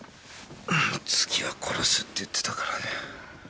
「次は殺す」って言ってたからね。